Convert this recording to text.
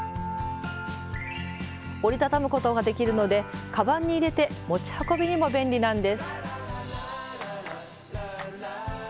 折りたたむことができるのでカバンに入れて持ち運びにも便利なんです。